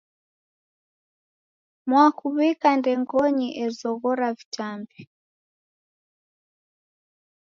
Mwakuw'ika ndengonyi ezoghora vitambi.